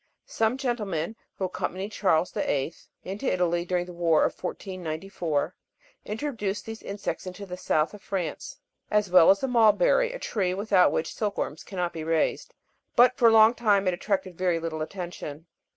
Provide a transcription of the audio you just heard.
Some gentlemen who accompanied Charles VIII. into Italy during the war of 1494 introduced these insects into the south of France, as well as the mulberry, a tree without which silk worms cannot be raised ; but for a long time it attracted very little attention.